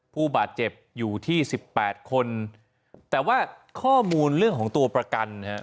ผู้บาดเจ็บอยู่ที่สิบแปดคนแต่ว่าข้อมูลเรื่องของตัวประกันนะฮะ